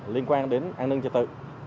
liên quan đến an ninh trật tự